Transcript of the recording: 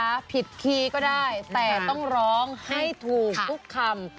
สวัสดีค่ะสวัสดีค่ะ